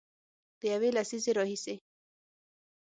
د یوې لسیزې راهیسې